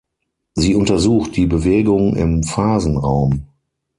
Sie untersucht die Bewegung im Phasenraum.